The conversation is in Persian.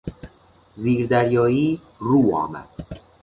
زیر دریایی روآمد.